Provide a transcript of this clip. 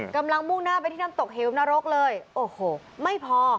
มุ่งหน้าไปที่น้ำตกเหวนรกเลยโอ้โหไม่พอ